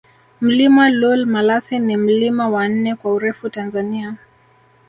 Mlima Lool Malasin ni mlima wa nne kwa urefu Tanzania